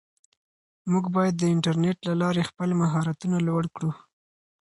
موږ باید د انټرنیټ له لارې خپل مهارتونه لوړ کړو.